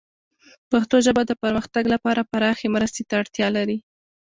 پښتو ژبه د پرمختګ لپاره پراخې مرستې ته اړتیا لري.